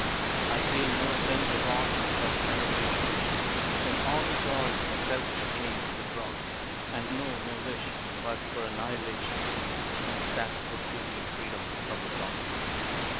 I feel no sense of aught but enervation In all the joys my selfish aims have brought, And know no wish but for annihilation, Since that would give me freedom from the thought.